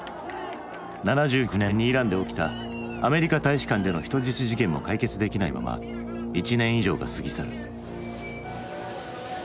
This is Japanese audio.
７９年にイランで起きたアメリカ大使館での人質事件も解決できないまま１年以上が過ぎ去る。